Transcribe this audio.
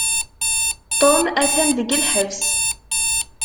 Tom atan deg lḥebs.